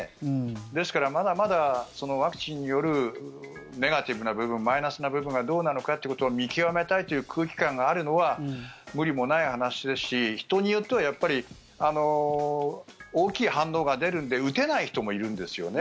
ですから、まだまだワクチンによるネガティブな部分マイナスな部分がどうなのかということを見極めたいという空気感があるのは無理もない話ですし人によってはやっぱり大きい反応が出るので打てない人もいるんですよね。